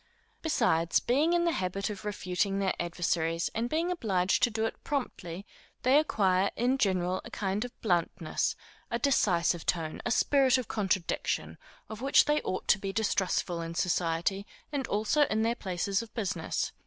Besides, being in the habit of refuting their adversaries, and being obliged to do it promptly, they acquire, in general, a kind of bluntness, a decisive tone, a spirit of contradiction, of which they ought to be distrustful in society, and also in their places of business.